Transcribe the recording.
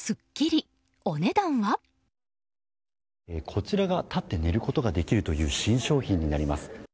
こちらが、立って寝ることができるという新商品になります。